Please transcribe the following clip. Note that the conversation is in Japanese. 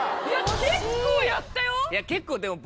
結構やったよ？